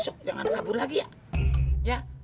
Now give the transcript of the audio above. besok besok jangan kabur lagi ya